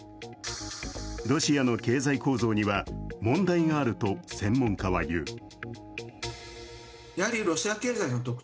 ロシアの経済構造には問題があると専門家は言う。